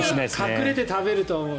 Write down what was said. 隠れて食べると思う。